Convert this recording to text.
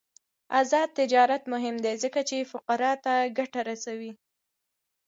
آزاد تجارت مهم دی ځکه چې فقراء ته ګټه رسوي.